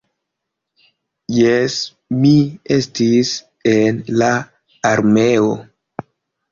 Jes, mi estis en la armeo.